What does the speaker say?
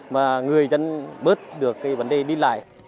mà người dân bớt được vấn đề đi lại